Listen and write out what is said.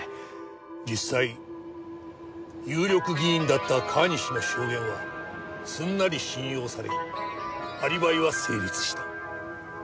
実際有力議員だった川西の証言はすんなり信用されアリバイは成立した。